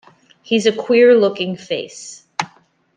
He’s a queer looking face.